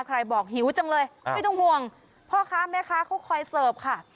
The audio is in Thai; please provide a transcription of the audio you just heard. ใครบอกหิวจังเลยไม่ต้องห่วงพ่อค้าแม่ค้าเขาคอยเสิร์ฟค่ะ